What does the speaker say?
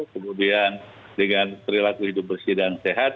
kemudian dengan perilaku hidup bersih dan sehat